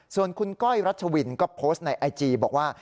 ส่วนคุณก้อยรัชวินก็โพสต์ในไอจีบอกว่า